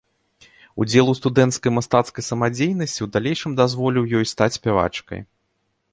Удзел у студэнцкай мастацкай самадзейнасці ў далейшым дазволіў ёй стаць спявачкай.